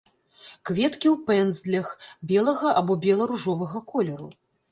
Кветкі ў пэндзлях, белага або бела-ружовага колеру.